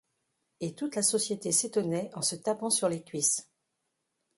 Et toute la société s'étonnait, en se tapant sur les cuisses.